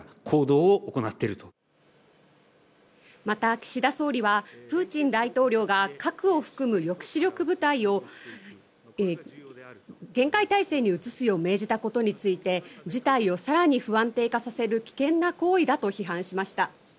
また、岸田総理はプーチン大統領が核を含む抑止力部隊を厳戒態勢に移すよう命じたことについて事態を更に不安定化させる危険な行為だと批判しました。